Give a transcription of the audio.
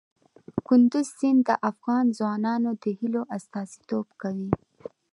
کندز سیند د افغان ځوانانو د هیلو استازیتوب کوي.